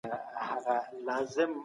هغې ویلي چې رواني روغتیا یې خراب وه.